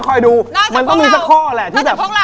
เลยมันต้องมีซะข้อแหละที่แบบ